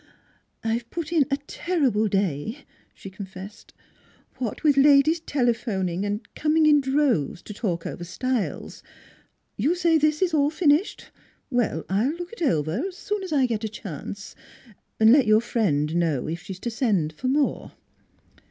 " I've put in a terrible day," she confessed. " What with ladies telephoning, and coming in droves to talk over styles. ... You say this is all finished? Well, I'll look it over as soon 's I get a chance, an' let your friend know if she's to send for more."